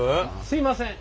すいません。